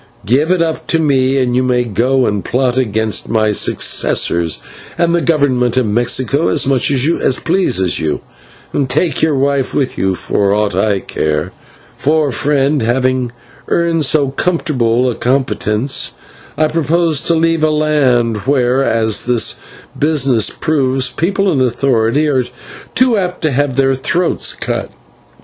Give it up to me, and you may go and plot against my successors and the Government of Mexico as much as pleases you, and take your wife with you for aught I care; for, friend, having earned so comfortable a competence, I propose to leave a land where, as this business proves, people in authority are too apt to have their throats cut.